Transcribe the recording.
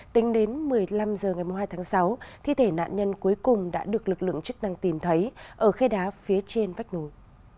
tính đến một mươi năm h ngày hai tháng sáu thi thể nạn nhân cuối cùng đã được lực lượng chức năng tìm thấy ở khai đá phía trên vách núi